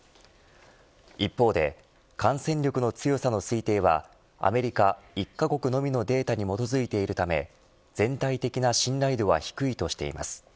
一方で感染力の強さの推定はアメリカ１カ国のみのデータに基づいているため全体的な信頼度は低いとしています。